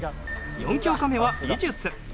４教科目は美術。